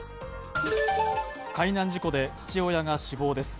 海難事故で父親が死亡です。